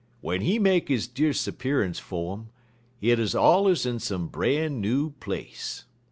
"Wen he make his disappearance 'fo' um, hit 'uz allers in some bran new place.